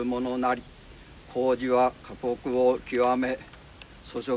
工事は過酷を極め粗食